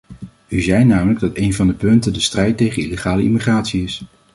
U zei namelijk dat een van de punten de strijd tegen illegale immigratie is.